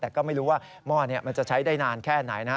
แต่ก็ไม่รู้ว่าหม้อนี้มันจะใช้ได้นานแค่ไหนนะฮะ